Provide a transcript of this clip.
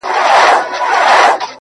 او که هسي شین امي نیم مسلمان یې٫